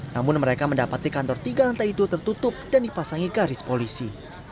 namun mereka mendapati kantor tiga lantai itu tertutup dan dipasangi garis polisi